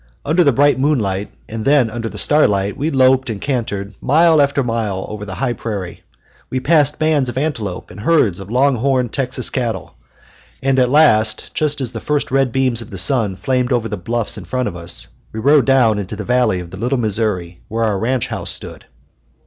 Under the bright moonlight, and then under the starlight, we loped and cantered mile after mile over the high prairie. We passed bands of antelope and herds of long horn Texas cattle, and at last, just as the first red beams of the sun flamed over the bluffs in front of us, we rode down into the valley of the Little Missouri, where our ranch house stood.